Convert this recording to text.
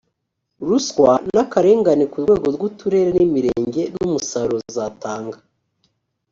ruswa n akarengane ku rwego rw uturere n imirenge n umusaruro zatanga